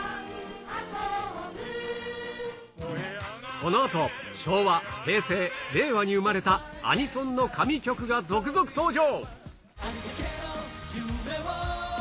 このあと、昭和、平成、令和に生まれたアニソンの神曲が続々登場。